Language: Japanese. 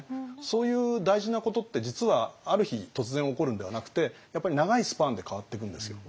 そういう大事なことって実はある日突然起こるんではなくてやっぱり長いスパンで変わっていくんですよ。